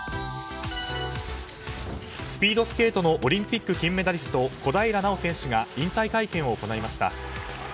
スピードスケートのオリンピック金メダリスト小平奈緒選手が引退会見を行いました。